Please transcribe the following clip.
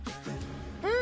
うん！